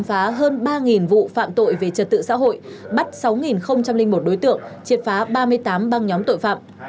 xã hội bắt sáu một đối tượng triệt phá ba mươi tám băng nhóm tội phạm